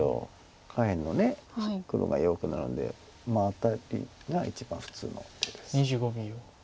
下辺の黒が弱くなるのでまあアタリが一番普通の手です。